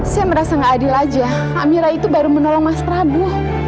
saya merasa nggak adil aja kak mira itu baru menolong mas prabu